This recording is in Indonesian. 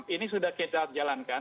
ini sudah kita jalankan